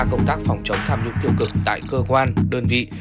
công tác phòng chống tham nhũng tiêu cực tại cơ quan đơn vị